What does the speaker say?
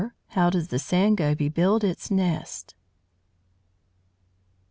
How does the Sand Goby build its nest?